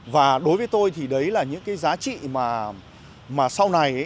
và đối với tôi thì đấy là những cái giá trị mà sau này